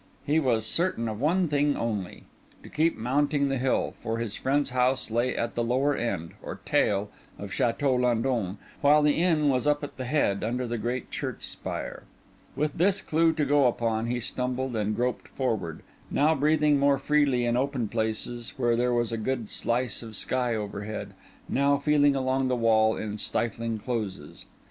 He was certain of one thing only—to keep mounting the hill; for his friend's house lay at the lower end, or tail, of Chateau Landon, while the inn was up at the head, under the great church spire. With this clue to go upon he stumbled and groped forward, now breathing more freely in open places where there was a good slice of sky overhead, now feeling along the wall in stifling closes.